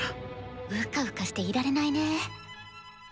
うかうかしていられないね。